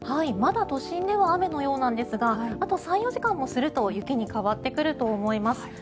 まだ都心では雨のようなんですがあと３４時間もすると雪に変わってくると思います。